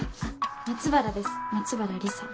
松原です松原理沙。